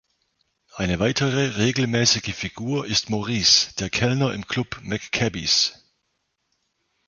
Eine weitere regelmäßige Figur ist Maurice, der Kellner im Club McCabe‘s.